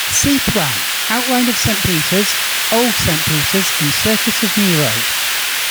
See plan: "Outline of Saint Peter's, Old Saint Peter's, and Circus of Nero".